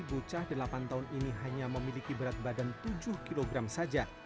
bocah delapan tahun ini hanya memiliki berat badan tujuh kg saja